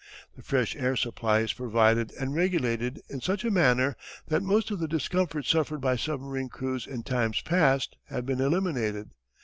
The fresh air supply is provided and regulated in such a manner that most of the discomforts suffered by submarine crews in times past have been eliminated.